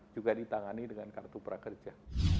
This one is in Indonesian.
juga ditangani dengan kartu prakerja